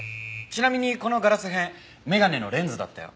ちなみにこのガラス片眼鏡のレンズだったよ。